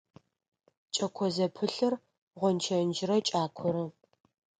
Кӏэко зэпылъыр – гъончэджрэ кӏакорэ.